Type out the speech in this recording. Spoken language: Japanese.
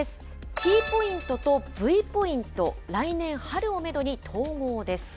ＴポイントとＶポイント、来年春をメドに統合です。